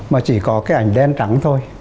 mà chỉ có cái ảnh đen trắng thôi